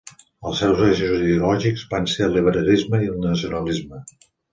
Els seus eixos ideològics van ser el liberalisme i el nacionalisme.